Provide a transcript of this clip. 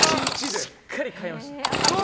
しっかり買いました。